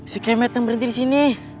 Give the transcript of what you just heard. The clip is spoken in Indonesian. si kayak matt yang berhenti di sini